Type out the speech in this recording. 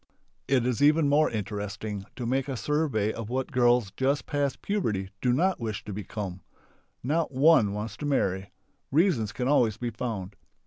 It is even more interesting to make a survey of what girls just past puberty do not wish to become. Not one wants to marry. (Reasons can always be found.)